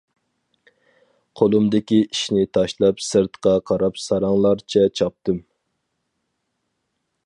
قولۇمدىكى ئىشنى تاشلاپ سىرتقا قاراپ ساراڭلارچە چاپتىم.